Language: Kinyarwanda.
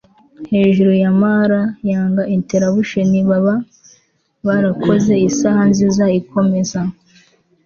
hejuru ya mr nanga interruption, baba barakoze isaha nziza ikomeza